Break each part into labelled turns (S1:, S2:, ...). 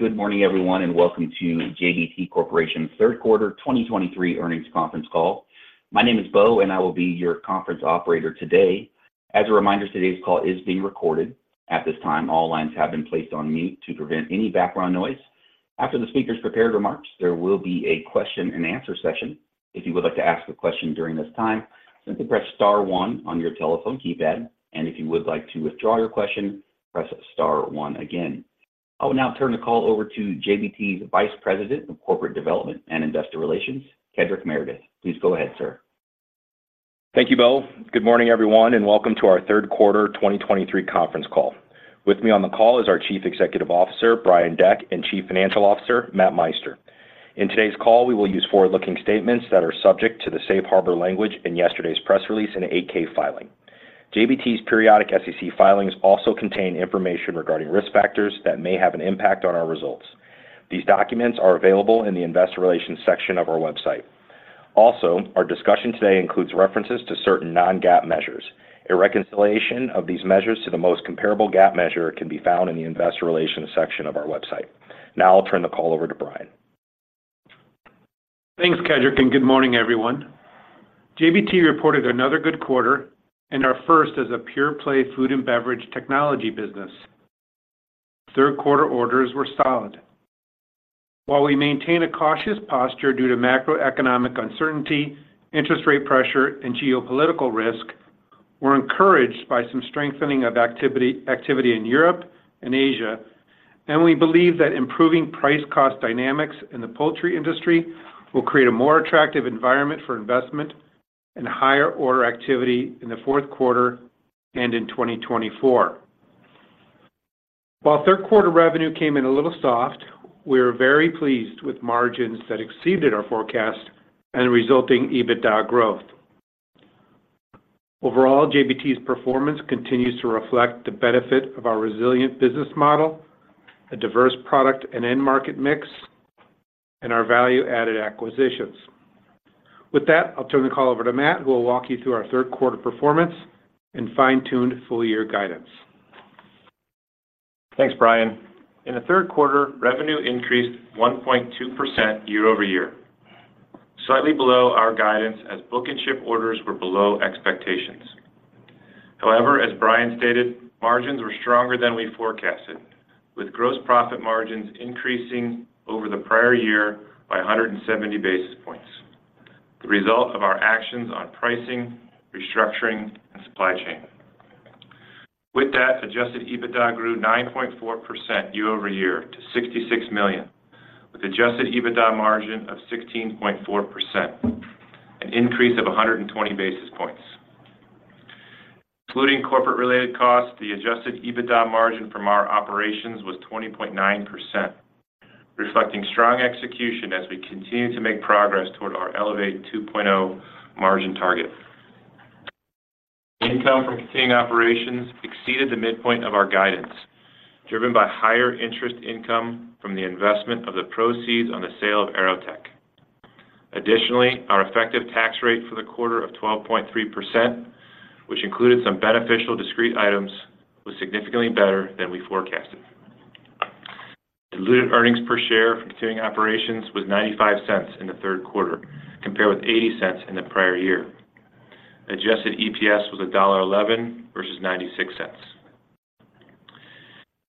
S1: Good morning, everyone, and welcome to JBT Corporation's Third Quarter 2023 Earnings Conference Call. My name is Beau, and I will be your conference operator today. As a reminder, today's call is being recorded. At this time, all lines have been placed on mute to prevent any background noise. After the speaker's prepared remarks, there will be a question and answer session. If you would like to ask a question during this time, simply press star one on your telephone keypad, and if you would like to withdraw your question, press star one again. I will now turn the call over to JBT's Vice President of Corporate Development and Investor Relations, Kedric Meredith. Please go ahead, sir.
S2: Thank you, Beau. Good morning, everyone, and welcome to our Third Quarter 2023 Conference Call. With me on the call is our Chief Executive Officer, Brian Deck, and Chief Financial Officer, Matt Meister. In today's call, we will use forward-looking statements that are subject to the safe harbor language in yesterday's press release and 8-K filing. JBT's periodic SEC filings also contain information regarding risk factors that may have an impact on our results. These documents are available in the Investor Relations section of our website. Also, our discussion today includes references to certain non-GAAP measures. A reconciliation of these measures to the most comparable GAAP measure can be found in the Investor Relations section of our website. Now I'll turn the call over to Brian.
S3: Thanks, Kedric, and good morning, everyone. JBT reported another good quarter and our first as a pure-play food and beverage technology business. Third quarter orders were solid. While we maintain a cautious posture due to macroeconomic uncertainty, interest rate pressure, and geopolitical risk, we're encouraged by some strengthening of activity, activity in Europe and Asia, and we believe that improving price-cost dynamics in the poultry industry will create a more attractive environment for investment and higher order activity in the fourth quarter and in 2024. While third quarter revenue came in a little soft, we are very pleased with margins that exceeded our forecast and resulting EBITDA growth. Overall, JBT's performance continues to reflect the benefit of our resilient business model, a diverse product and end market mix, and our value-added acquisitions. With that, I'll turn the call over to Matt, who will walk you through our third quarter performance and fine-tuned full-year guidance.
S4: Thanks, Brian. In the third quarter, revenue increased 1.2% year-over-year, slightly below our guidance as book and ship orders were below expectations. However, as Brian stated, margins were stronger than we forecasted, with gross profit margins increasing over the prior year by 170 basis points, the result of our actions on pricing, restructuring, and supply chain. With that, adjusted EBITDA grew 9.4% year-over-year to $66 million, with adjusted EBITDA margin of 16.4%, an increase of 120 basis points. Including corporate-related costs, the adjusted EBITDA margin from our operations was 20.9%, reflecting strong execution as we continue to make progress toward our Elevate 2.0 margin target. Income from continuing operations exceeded the midpoint of our guidance, driven by higher interest income from the investment of the proceeds on the sale of AeroTech. Additionally, our effective tax rate for the quarter of 12.3%, which included some beneficial discrete items, was significantly better than we forecasted. Diluted earnings per share from continuing operations was $0.95 in the third quarter, compared with $0.80 in the prior year. Adjusted EPS was $1.11 versus $0.96.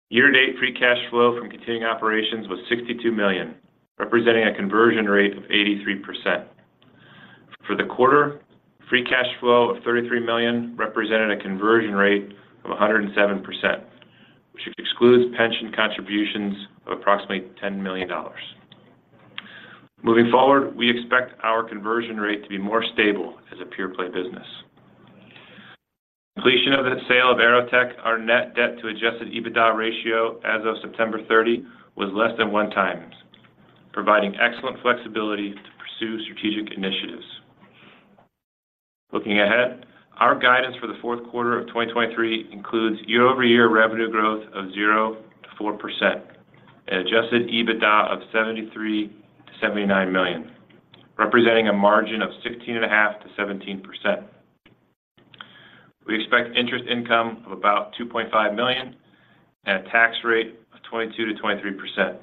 S4: Year-to-date free cash flow from continuing operations was $62 million, representing a conversion rate of 83%. For the quarter, free cash flow of $33 million represented a conversion rate of 107%, which excludes pension contributions of approximately $10 million. Moving forward, we expect our conversion rate to be more stable as a pure-play business. Completion of the sale of AeroTech, our net debt to Adjusted EBITDA ratio as of September 30 was less than 1x, providing excellent flexibility to pursue strategic initiatives. Looking ahead, our guidance for the fourth quarter of 2023 includes year-over-year revenue growth of 0%-4% and Adjusted EBITDA of $73 million-$79 million, representing a margin of 16.5%-17%. We expect interest income of about $2.5 million and a tax rate of 22%-23%,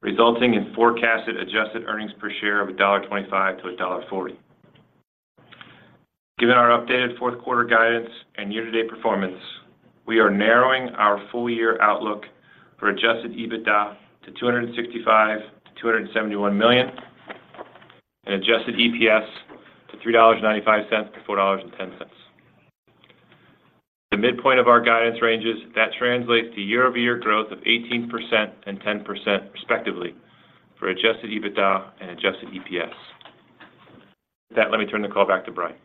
S4: resulting in forecasted adjusted earnings per share of $1.25-$1.40. Given our updated fourth quarter guidance and year-to-date performance, we are narrowing our full year outlook for Adjusted EBITDA to $265 million-$271 million and Adjusted EPS to $3.95-$4.10. The midpoint of our guidance ranges, that translates to year-over-year growth of 18% and 10% respectively for Adjusted EBITDA and Adjusted EPS. With that, let me turn the call back to Brian.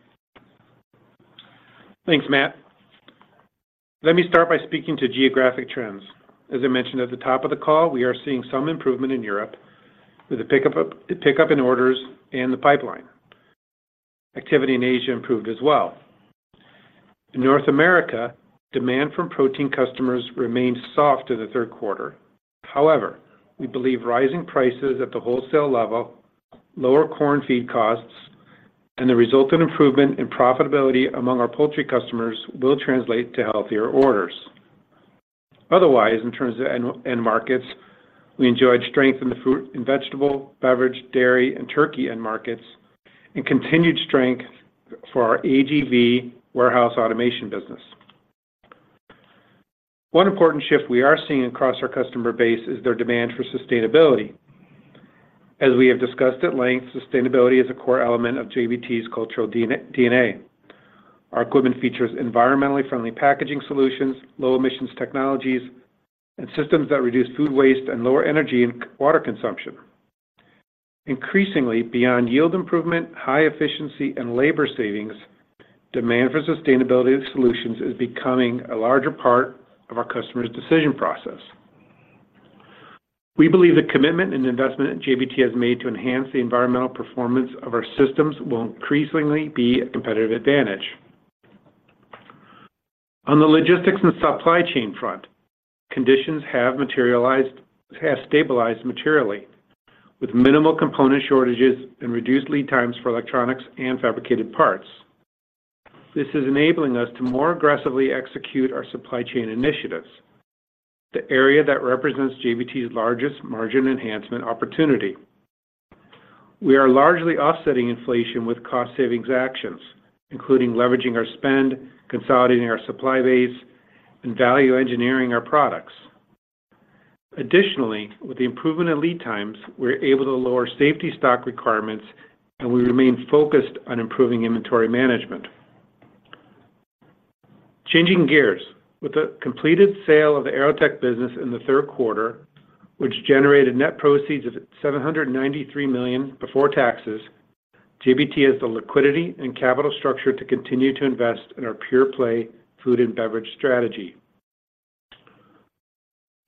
S3: Thanks, Matt. Let me start by speaking to geographic trends. As I mentioned at the top of the call, we are seeing some improvement in Europe with a pickup in orders and the pipeline. Activity in Asia improved as well. In North America, demand from protein customers remained soft in the third quarter. However, we believe rising prices at the wholesale level, lower corn feed costs and the resultant improvement in profitability among our poultry customers will translate to healthier orders. Otherwise, in terms of end markets, we enjoyed strength in the fruit and vegetable, beverage, dairy, and turkey end markets, and continued strength for our AGV warehouse automation business. One important shift we are seeing across our customer base is their demand for sustainability. As we have discussed at length, sustainability is a core element of JBT's cultural DNA. Our equipment features environmentally friendly packaging solutions, low emissions technologies, and systems that reduce food waste and lower energy and water consumption. Increasingly, beyond yield improvement, high efficiency, and labor savings, demand for sustainability of solutions is becoming a larger part of our customers' decision process. We believe the commitment and investment JBT has made to enhance the environmental performance of our systems will increasingly be a competitive advantage. On the logistics and supply chain front, conditions have stabilized materially, with minimal component shortages and reduced lead times for electronics and fabricated parts. This is enabling us to more aggressively execute our supply chain initiatives, the area that represents JBT's largest margin enhancement opportunity. We are largely offsetting inflation with cost savings actions, including leveraging our spend, consolidating our supply base, and value engineering our products. Additionally, with the improvement in lead times, we're able to lower safety stock requirements, and we remain focused on improving inventory management. Changing gears. With the completed sale of the AeroTech business in the third quarter, which generated net proceeds of $793 million before taxes, JBT has the liquidity and capital structure to continue to invest in our pure-play food and beverage strategy.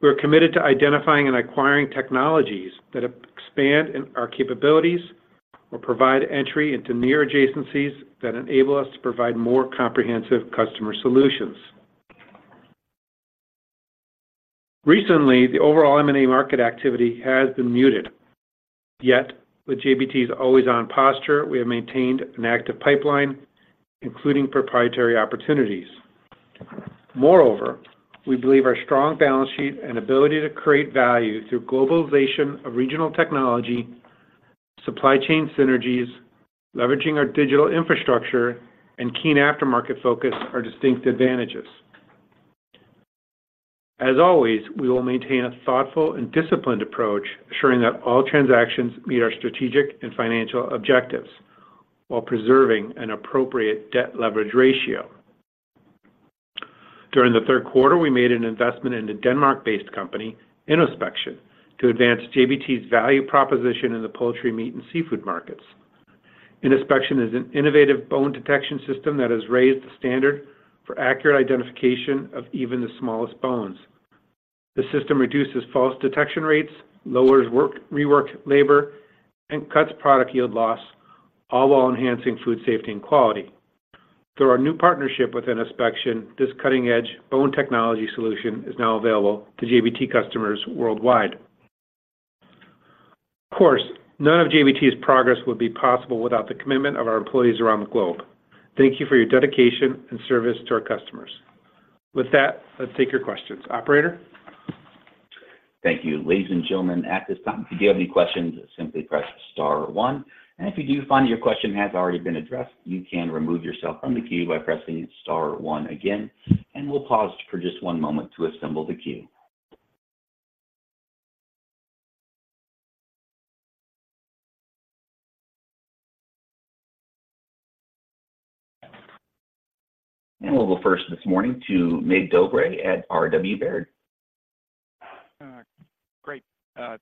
S3: We are committed to identifying and acquiring technologies that expand in our capabilities or provide entry into near adjacencies that enable us to provide more comprehensive customer solutions. Recently, the overall M&A market activity has been muted. Yet, with JBT's always-on posture, we have maintained an active pipeline, including proprietary opportunities. Moreover, we believe our strong balance sheet and ability to create value through globalization of regional technology, supply chain synergies, leveraging our digital infrastructure, and keen aftermarket focus are distinct advantages. As always, we will maintain a thoughtful and disciplined approach, ensuring that all transactions meet our strategic and financial objectives while preserving an appropriate debt leverage ratio. During the third quarter, we made an investment in the Denmark-based company, Innospexion, to advance JBT's value proposition in the poultry, meat, and seafood markets. Innospexion is an innovative bone detection system that has raised the standard for accurate identification of even the smallest bones. The system reduces false detection rates, lowers rework labor, and cuts product yield loss, all while enhancing food safety and quality. Through our new partnership with Innospexion, this cutting-edge bone technology solution is now available to JBT customers worldwide. Of course, none of JBT's progress would be possible without the commitment of our employees around the globe. Thank you for your dedication and service to our customers. With that, let's take your questions. Operator?
S1: Thank you. Ladies and gentlemen, at this time, if you do have any questions, simply press star one, and if you do find your question has already been addressed, you can remove yourself from the queue by pressing star one again, and we'll pause for just one moment to assemble the queue. We'll go first this morning to Mig Dobre at R.W. Baird.
S5: Great.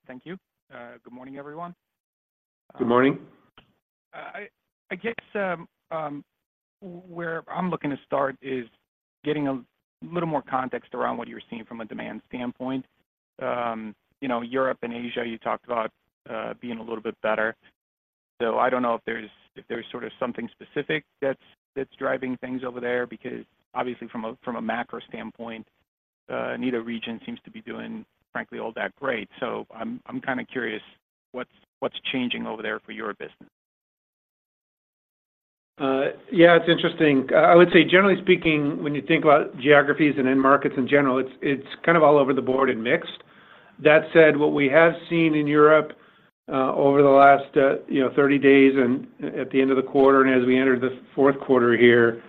S5: Thank you. Good morning, everyone.
S3: Good morning.
S5: I guess where I'm looking to start is getting a little more context around what you're seeing from a demand standpoint. You know, Europe and Asia, you talked about being a little bit better. So I don't know if there's sort of something specific that's driving things over there, because obviously from a macro standpoint, neither region seems to be doing, frankly, all that great. So I'm kind of curious, what's changing over there for your business?
S3: Yeah, it's interesting. I would say, generally speaking, when you think about geographies and end markets in general, it's kind of all over the board and mixed. That said, what we have seen in Europe over the last, you know, 30 days and at the end of the quarter, and as we enter the fourth quarter here,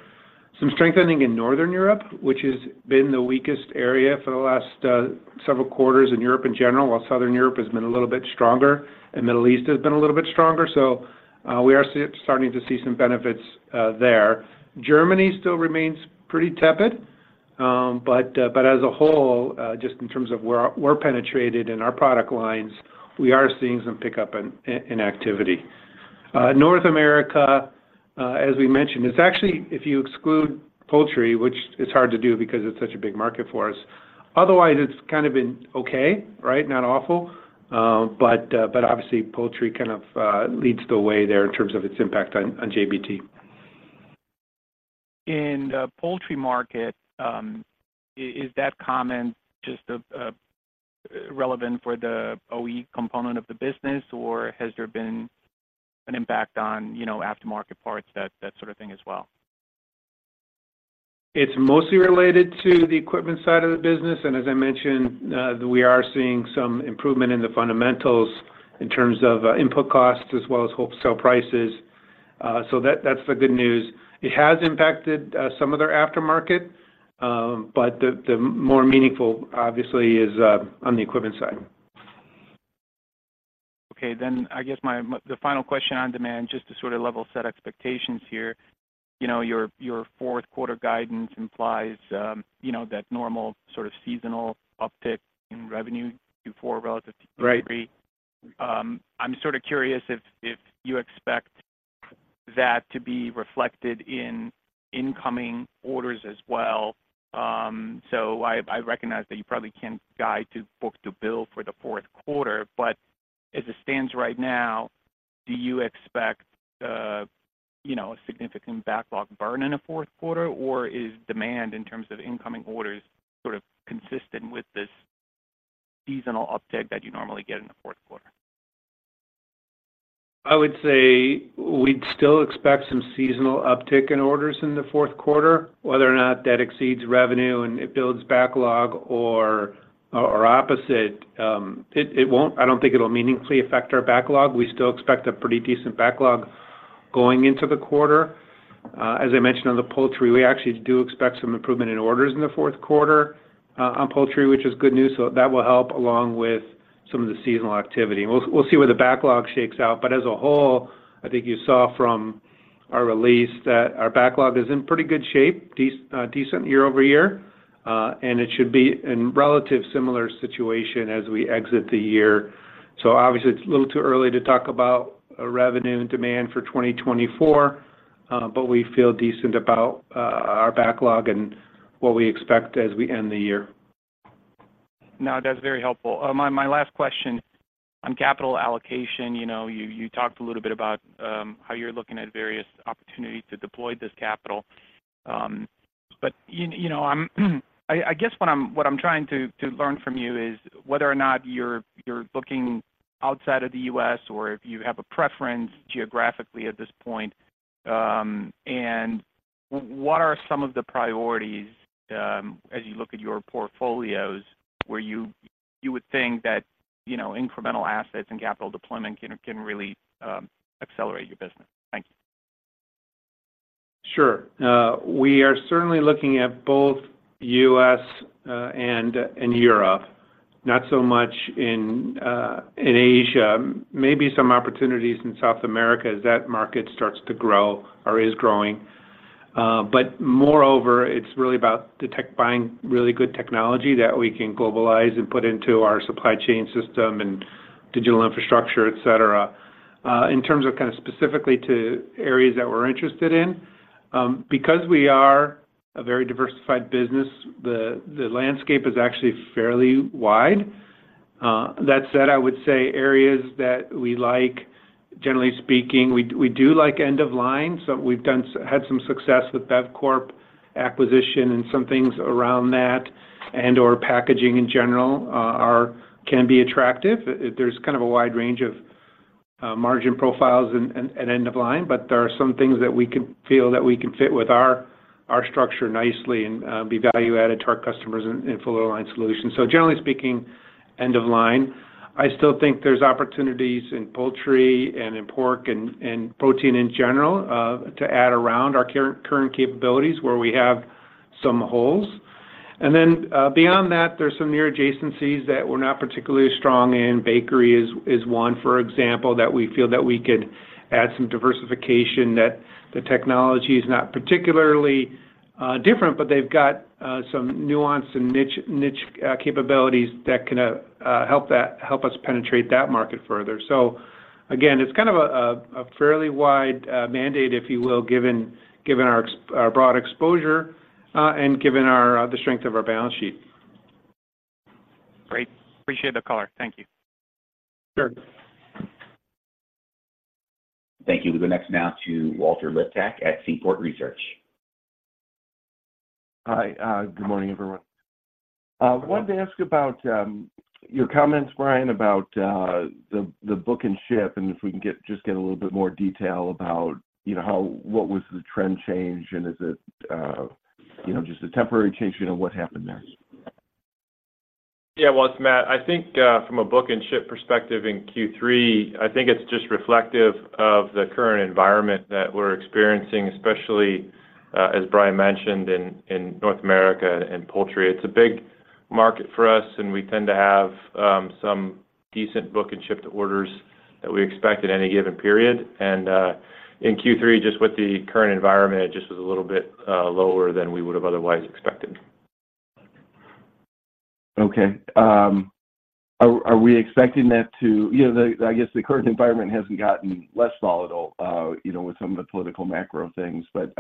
S3: some strengthening in Northern Europe, which has been the weakest area for the last several quarters in Europe in general, while Southern Europe has been a little bit stronger, and Middle East has been a little bit stronger. So, we are starting to see some benefits there. Germany still remains pretty tepid, but as a whole, just in terms of where we're penetrated in our product lines, we are seeing some pickup in activity. North America, as we mentioned, it's actually, if you exclude poultry, which is hard to do because it's such a big market for us, otherwise, it's kind of been okay, right? Not awful, but, but obviously, poultry kind of leads the way there in terms of its impact on, on JBT.
S5: ...In the poultry market, is that comment just relevant for the OE component of the business, or has there been an impact on, you know, aftermarket parts, that sort of thing as well?
S3: It's mostly related to the equipment side of the business, and as I mentioned, we are seeing some improvement in the fundamentals in terms of input costs as well as wholesale prices. So that's the good news. It has impacted some of their aftermarket, but the more meaningful obviously is on the equipment side.
S5: Okay. Then I guess my, the final question on demand, just to sort of level set expectations here. You know, your, your fourth quarter guidance implies, you know, that normal sort of seasonal uptick in revenue Q4 relative to Q3.
S3: Right.
S5: I'm sort of curious if you expect that to be reflected in incoming orders as well. So I recognize that you probably can't guide to book-to-bill for the fourth quarter, but as it stands right now, do you expect, you know, a significant backlog burn in the fourth quarter, or is demand in terms of incoming orders sort of consistent with this seasonal uptick that you normally get in the fourth quarter?
S3: I would say we'd still expect some seasonal uptick in orders in the fourth quarter. Whether or not that exceeds revenue and it builds backlog or opposite, it won't. I don't think it'll meaningfully affect our backlog. We still expect a pretty decent backlog going into the quarter. As I mentioned on the poultry, we actually do expect some improvement in orders in the fourth quarter on poultry, which is good news, so that will help along with some of the seasonal activity. We'll see where the backlog shakes out, but as a whole, I think you saw from our release that our backlog is in pretty good shape, decent year-over-year. And it should be in relative similar situation as we exit the year. So obviously, it's a little too early to talk about revenue and demand for 2024, but we feel decent about our backlog and what we expect as we end the year.
S5: No, that's very helpful. My last question on capital allocation. You know, you talked a little bit about how you're looking at various opportunities to deploy this capital. But you know, I guess what I'm trying to learn from you is whether or not you're looking outside of the U.S. or if you have a preference geographically at this point. And what are some of the priorities as you look at your portfolios, where you would think that, you know, incremental assets and capital deployment can really accelerate your business? Thank you.
S3: Sure. We are certainly looking at both U.S. and Europe, not so much in Asia. Maybe some opportunities in South America as that market starts to grow or is growing. But moreover, it's really about buying really good technology that we can globalize and put into our supply chain system and digital infrastructure, et cetera. In terms of kind of specifically to areas that we're interested in, because we are a very diversified business, the landscape is actually fairly wide. That said, I would say areas that we like, generally speaking, we do like end-of-line. So we've had some success with Bevcorp acquisition and some things around that and/or packaging in general can be attractive. There's kind of a wide range of margin profiles at end-of-line, but there are some things that we can feel that we can fit with our structure nicely and be value added to our customers in full line solutions. So generally speaking, end-of-line. I still think there's opportunities in poultry and in pork and protein in general to add around our current capabilities, where we have some holes. And then beyond that, there's some near adjacencies that we're not particularly strong in. Bakery is one, for example, that we feel that we could add some diversification, that the technology is not particularly different, but they've got some nuance and niche capabilities that can help us penetrate that market further. So again, it's kind of a fairly wide mandate, if you will, given our broad exposure and given the strength of our balance sheet.
S5: Great. Appreciate the color. Thank you.
S3: Sure.
S1: Thank you. We go next now to Walter Liptak at Seaport Research.
S6: Hi, good morning, everyone. Wanted to ask about your comments, Brian, about the Book and Ship, and if we can get just a little bit more detail about, you know, how... What was the trend change, and is it, you know, just a temporary change? You know, what happened there?
S4: Yeah, well, it's Matt. I think, from a book and ship perspective in Q3, I think it's just reflective of the current environment that we're experiencing, especially, as Brian mentioned in North America and poultry. It's a big market for us, and we tend to have some decent book and ship orders that we expect at any given period. And, in Q3, just with the current environment, it just was a little bit lower than we would have otherwise expected.
S6: Okay. Are we expecting that to—you know, I guess the current environment hasn't gotten less volatile, you know, with some of the political macro things. But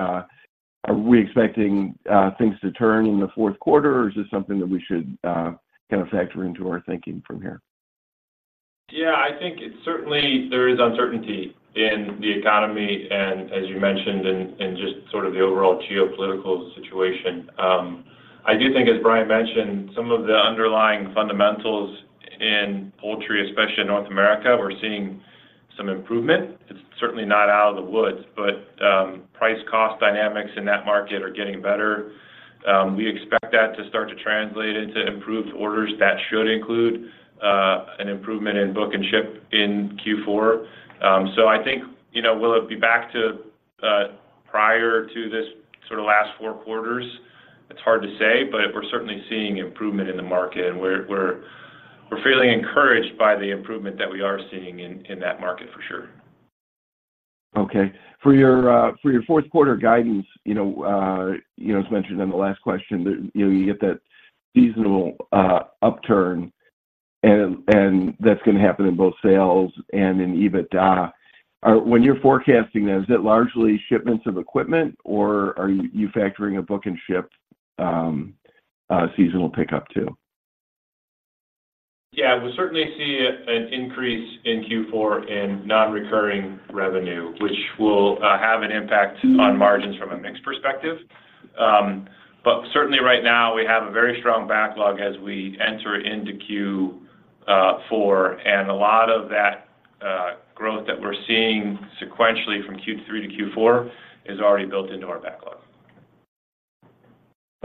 S6: are we expecting things to turn in the fourth quarter, or is this something that we should kind of factor into our thinking from here?...
S4: Yeah, I think it's certainly there is uncertainty in the economy, and as you mentioned in just sort of the overall geopolitical situation. I do think, as Brian mentioned, some of the underlying fundamentals in poultry, especially in North America, we're seeing some improvement. It's certainly not out of the woods, but price cost dynamics in that market are getting better. We expect that to start to translate into improved orders that should include an improvement in book and ship in Q4. So I think, you know, will it be back to prior to this sort of last four quarters? It's hard to say, but we're certainly seeing improvement in the market, and we're fairly encouraged by the improvement that we are seeing in that market for sure.
S6: Okay. For your, for your fourth quarter guidance, you know, you know, as mentioned in the last question, that, you know, you get that seasonal, upturn and, and that's gonna happen in both sales and in EBITDA. When you're forecasting that, is it largely shipments of equipment, or are you factoring a Book and Ship, seasonal pickup, too?
S4: Yeah, we certainly see an increase in Q4 in non-recurring revenue, which will have an impact on margins from a mix perspective. But certainly, right now, we have a very strong backlog as we enter into Q4, and a lot of that growth that we're seeing sequentially from Q3 to Q4 is already built into our backlog.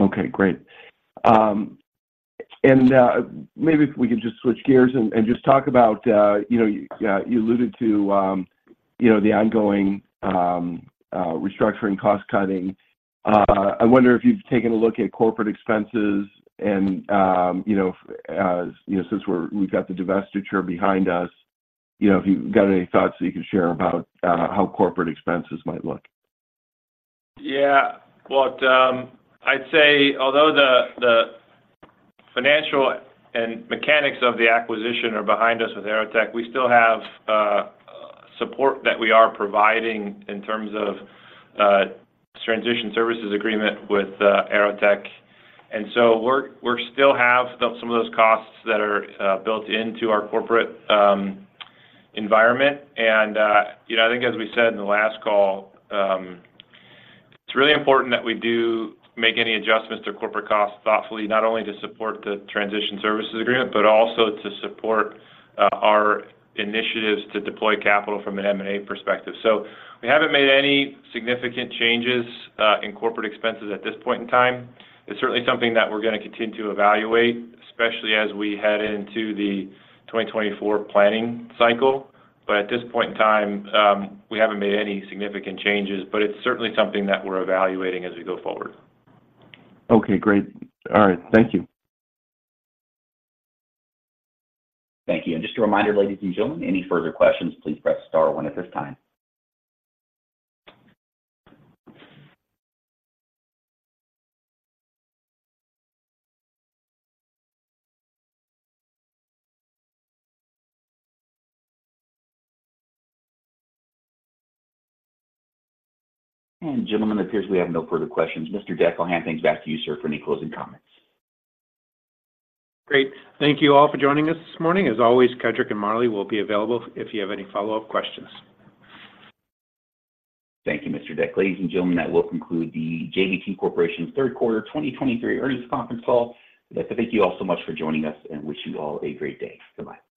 S6: Okay, great. And maybe if we could just switch gears and just talk about, you know, you alluded to, you know, the ongoing restructuring, cost cutting. I wonder if you've taken a look at corporate expenses and, you know, as, you know, since we've got the divestiture behind us, you know, if you've got any thoughts that you can share about how corporate expenses might look.
S4: Yeah. Well, I'd say although the financial and mechanics of the acquisition are behind us with AeroTech, we still have support that we are providing in terms of transition services agreement with AeroTech. And so we're still have some of those costs that are built into our corporate environment. And you know, I think as we said in the last call, it's really important that we do make any adjustments to corporate costs thoughtfully, not only to support the transition services agreement, but also to support our initiatives to deploy capital from an M&A perspective. So we haven't made any significant changes in corporate expenses at this point in time. It's certainly something that we're gonna continue to evaluate, especially as we head into the 2024 planning cycle.At this point in time, we haven't made any significant changes, but it's certainly something that we're evaluating as we go forward.
S6: Okay, great. All right. Thank you.
S1: Thank you. And just a reminder, ladies and gentlemen, any further questions, please press star one at this time. And gentlemen, it appears we have no further questions. Mr. Deck, I'll hand things back to you, sir, for any closing comments.
S3: Great. Thank you all for joining us this morning. As always, Kedric and Marlee will be available if you have any follow-up questions.
S1: Thank you, Mr. Deck. Ladies and gentlemen, that will conclude the JBT Corporation's Third Quarter 2023 Earnings Conference Call. I'd like to thank you all so much for joining us and wish you all a great day. Goodbye.